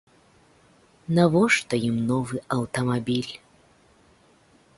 Навошта ім новы аўтамабіль?